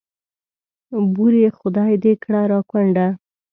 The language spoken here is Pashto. بورې خدای دې کړه را کونډه.